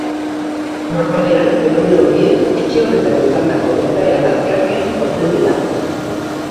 Normalean, fenomeno horiek etxe horretan izandako gertaera lazgarriez lotzen dira.